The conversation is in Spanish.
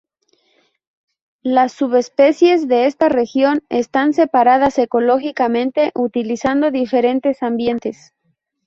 Las subespecies de esta región están separadas ecológicamente utilizando diferentes ambientes.